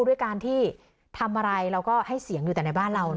ด้วยการที่ทำอะไรเราก็ให้เสียงอยู่แต่ในบ้านเรา